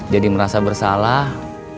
jadi merasa bersalah